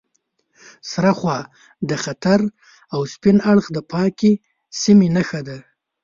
سره خوا د خطر او سپین اړخ د پاکې سیمې نښه ده.